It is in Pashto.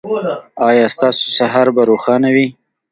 ایا ستاسو سهار به روښانه وي؟